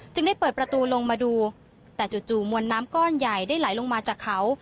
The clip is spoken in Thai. ได้เปิดประตูลงมาดูแต่จู่มวลน้ำก้อนใหญ่ได้ไหลลงมาจากเขา